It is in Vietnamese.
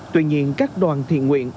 tuy nhiên các đoàn thiện nguyện